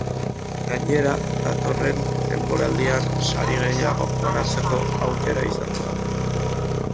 Gainera, datorren denboraldian sari gehiago banatzeko aukera izango da.